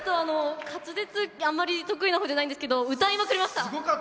滑舌、あんまり得意なほうじゃないんですけど歌いまくりました。